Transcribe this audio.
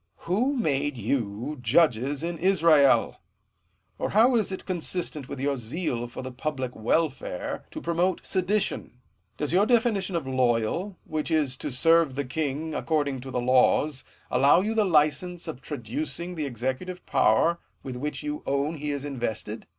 >A'ho made you judges in Israel? Or how is it consistent with your zeal for the public welfare, to promote sedition ? Does your definition of loyal, which is to serve the king according to the laws, allow you the licence of traducing the executive power with which you own he is invested